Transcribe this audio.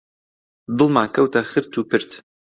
دڵمان کەوتە خرت و پرت